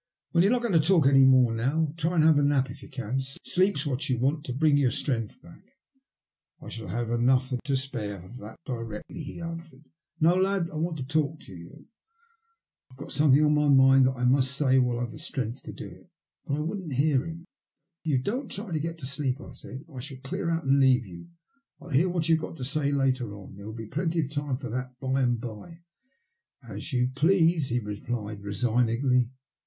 "Well you're not going to talk any more now. Try and have a nap if you can. Sleep's what you want to bring your strength back." " I shall have enough and to spare of that directly," he answered. " No, lad, I want to talk to you. I've got something on my mind that I must say while I've the strength to do it." But I wouldn't hear him. " If you don't try to get to sleep," I said, " I shall clear out and leave you. I'll hear what you've got to say later on. There will be plenty of time for that by and bye." "As you please," he replied resignedly.